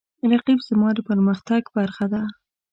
رقیب زما د پرمختګ برخه ده